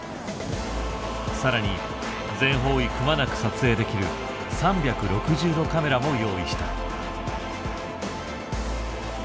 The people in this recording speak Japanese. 更に全方位くまなく撮影できる３６０度カメラも用意した。